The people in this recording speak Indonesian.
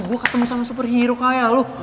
gue ketemu sama superhero kaya lo